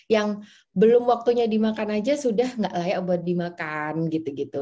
yang belum waktunya dimakan aja sudah nggak layak buat dimakan gitu gitu